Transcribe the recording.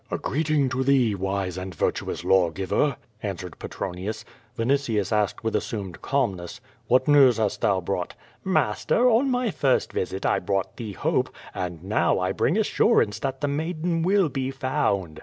'^ "A greeting to thee, wise and virtuous law giver," answer ed Petronius. Vinitius asked with assumed calmness, "What news hast thou brought?" "Master, on my first visit 1 brought thee hope, and now I bring assurance that the maiden will be found."